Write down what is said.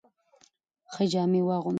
ښه جامې واغوندئ.